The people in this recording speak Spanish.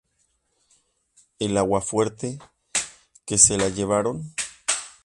El aguafuerte ¡Que se la llevaron!